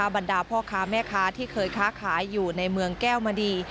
บรรดาพ่อค้าแม่ค้าที่เคยค้าขายอยู่ในเมืองแก้วมณี